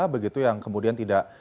begitu yang kemudian tidak